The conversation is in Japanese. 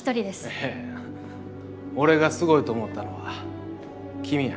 いや俺がすごいと思ったのは君や。